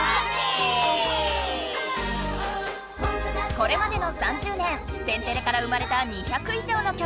これまでの３０年「天てれ」から生まれた２００い上の曲。